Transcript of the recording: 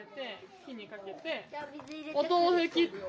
お豆腐切って。